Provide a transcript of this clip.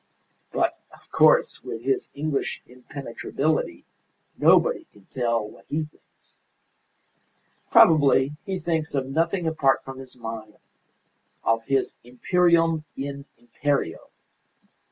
But, of course, with his English impenetrability, nobody can tell what he thinks. Probably he thinks of nothing apart from his mine; of his 'Imperium in Imperio.